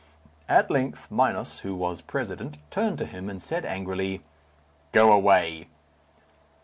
At length Minos, who was president, turned to him and said angrily, "Go away!"